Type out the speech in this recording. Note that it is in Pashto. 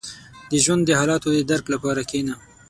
• د ژوند د حالاتو د درک لپاره کښېنه.